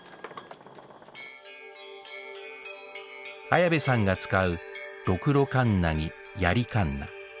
綾部さんが使う「ろくろかんな」に「やりかんな」。